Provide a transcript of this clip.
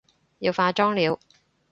要化妝了